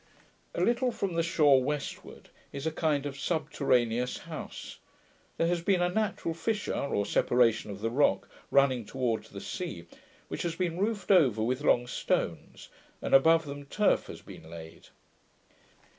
A little from the shore, westward, is a kind of subterraneous house. There has been a natural fissure, or separation of the rock, running towards the sea, which has been roofed over with long stones, and above them turf has been laid.